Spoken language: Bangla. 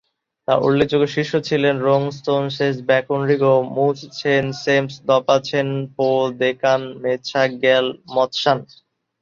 তার উল্লেখযোগ্য শিষ্য ছিলেন রোং-স্তোন-শেস-ব্যা-কুন-রিগ ও মুস-ছেন-সেম্স-দ্পা'-ছেন-পো-দ্কোন-ম্ছোগ-র্গ্যাল-ম্ত্শান।